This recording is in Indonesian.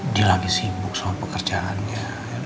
dia lagi sibuk soal pekerjaannya